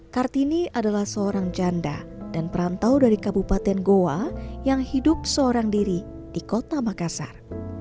kartini adalah seorang janda dan perantau dari kabupaten goa yang hidup seorang diri di kota makassar